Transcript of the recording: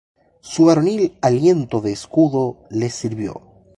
su varonil aliento de escudo les sirvió.